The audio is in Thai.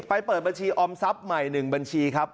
เปิดบัญชีออมทรัพย์ใหม่๑บัญชีครับ